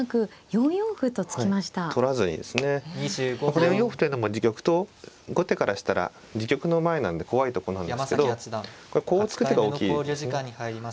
この４四歩というのも自玉と後手からしたら自玉の前なんで怖いとこなんですけどこれはこう突く手が大きいですね。